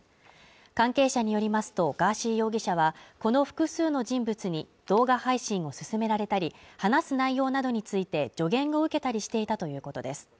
関係者によりますと、ガーシー容疑者は、この複数の人物に動画配信を勧められたり、話す内容などについて助言を受けたりしていたということです。